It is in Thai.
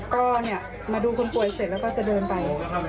ก็มาดูคนป่วยเสร็จแล้วก็จะเดินไป